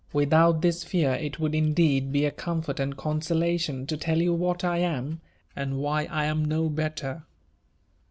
Without this fear, it would in deed be a comfort and consolation to tell you what I am, and why I am no better."